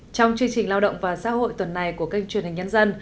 trong chương trình lao động và xã hội tuần này của kênh truyền hình nhân dân